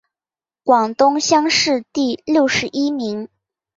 广东乡试第六十一名。